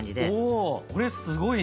おそれすごいね！